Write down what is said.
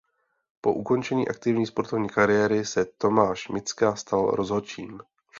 Po ukončení aktivní sportovní kariéry se Tomáš Micka stal rozhodčím.